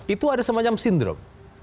itu ada semacam sindrom